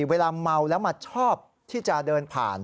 เวลาเมาแล้วมาชอบที่จะเดินผ่าน